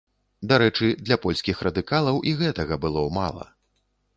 Дарэчы, для польскіх радыкалаў і гэтага было мала.